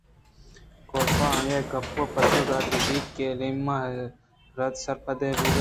کاف ءَآئی ءِ گپ ءِ پسو دات ءُ گوٛشت کہ ایمیلیا رد سرپد بوتگ